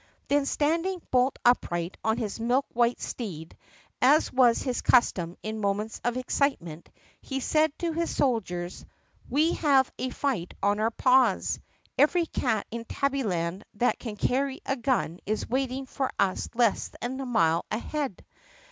Then standing bolt upright on his milk white steed, as was his custom in moments of excitement, he said to his soldiers: "We have a fight on our paws. Every cat in Tabbyland that can carry a gun is waiting for us less than a mile ahead.